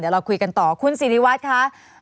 เดี๋ยวเราคุยกันต่อคุณสิริวัตรค่ะ